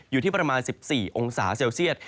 อยู่ที่ประมาณ๑๔องศาเซลเซียต